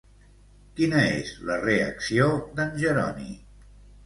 Quina és la reacció d'en Jeroni?